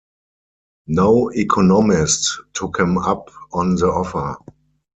No economist took him up on the offer.